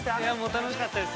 ◆楽しかったです。